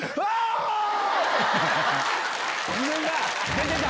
出てた！